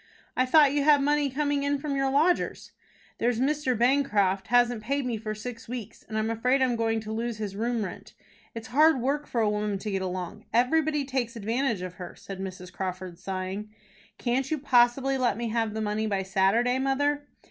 "I thought you had money coming in from your lodgers." "There's Mr. Bancroft hasn't paid me for six weeks, and I'm afraid I am going to lose his room rent. It's hard work for a woman to get along. Everybody takes advantage of her," said Mrs. Crawford, sighing. "Can't you possibly let me have the money by Saturday, mother?"